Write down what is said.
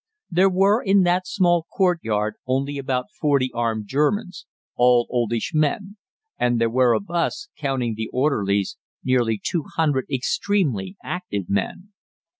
There were in that small courtyard only about forty armed Germans, all oldish men, and there were of us, counting the orderlies, nearly 200 extremely active men.